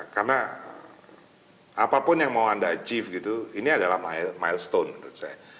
karena apapun yang mau anda mencapai ini adalah milestone menurut saya